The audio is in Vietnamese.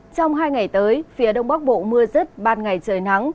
trong hai ngày tới phía đông bắc bộ mưa rứt ban ngày trời nắng